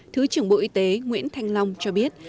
thứ trưởng bộ y tế nguyễn thanh long cho biết